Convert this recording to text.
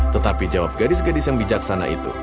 tetapi jawab gadis gadis yang bijaksana itu